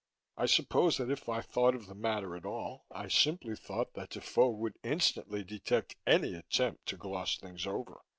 I suppose that if I thought of the matter at all, I simply thought that Defoe would instantly detect any attempt to gloss things over.